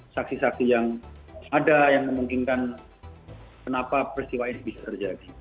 saksi saksi yang ada yang memungkinkan kenapa peristiwa ini bisa terjadi